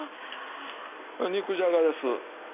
肉じゃがです。